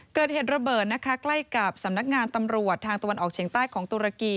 เกิดเหตุระเบิดนะคะใกล้กับสำนักงานตำรวจทางตะวันออกเฉียงใต้ของตุรกี